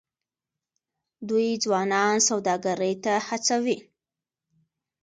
دوی ځوانان سوداګرۍ ته هڅوي.